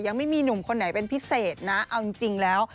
ยังไม่มีหนุ่มคนไหนเป็นพิเศษนะเอาจริงแล้ว